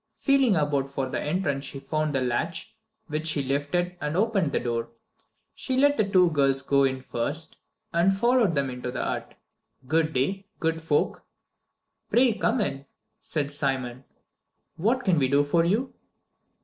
Feeling about for the entrance she found the latch, which she lifted, and opened the door. She let the two girls go in first, and followed them into the hut. "Good day, good folk!" "Pray come in," said Simon. "What can we do for you?"